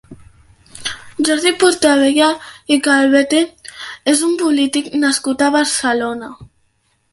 Jordi Portabella i Calvete és un polític nascut a Barcelona.